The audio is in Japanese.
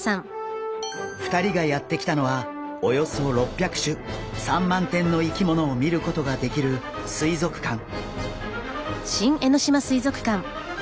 ２人がやって来たのはおよそ６００種３万点の生き物を見ることができる水族館。